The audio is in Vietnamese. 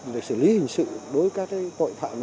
về xử lý hình sự đối với các tội phạm